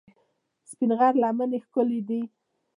سپین غر لمنې ښکلې دي؟